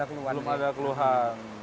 belum ada keluhan